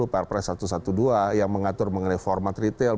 perpres satu ratus dua belas yang mengatur mengenai format retail